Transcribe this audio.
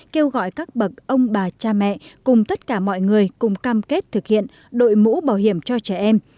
kêu gọi các bậc ông bà cha mẹ cùng tất cả mọi người cùng cam kết thực hiện đội mũ bảo hiểm cho trẻ em